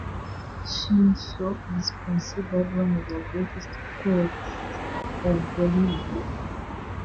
Shimose is considered as one of the great poets of Bolivia.